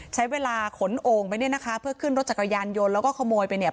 ใช้เวลาขนโอ่งไปเนี่ยนะคะเพื่อขึ้นรถจักรยานยนต์แล้วก็ขโมยไปเนี่ย